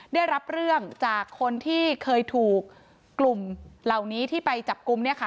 ได้รับเรื่องจากคนที่เคยถูกกลุ่มเหล่านี้ที่ไปจับกลุ่มเนี่ยค่ะ